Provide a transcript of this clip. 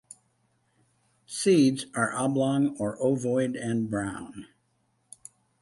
Seeds are oblong or ovoid and brown.